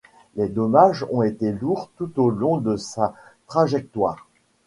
Les dommages ont été lourds tout au long de sa trajectoire.